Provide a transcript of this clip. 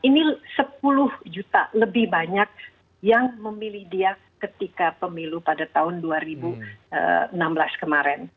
ini sepuluh juta lebih banyak yang memilih dia ketika pemilu pada tahun dua ribu enam belas kemarin